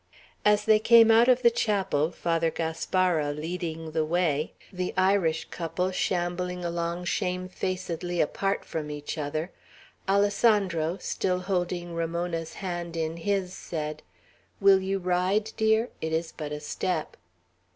As they came out of the chapel, Father Gaspara leading the way, the Irish couple shambling along shamefacedly apart from each other, Alessandro, still holding Ramona's hand in his, said, "Will you ride, dear? It is but a step."